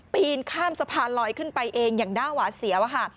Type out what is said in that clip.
ปีนข้ามสะพานลอยขึ้นไปเองอย่างด้าหวาเสียวค่ะ